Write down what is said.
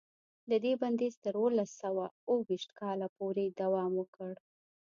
د دې بندیز تر اوولس سوه اوه ویشت کاله پورې دوام وکړ.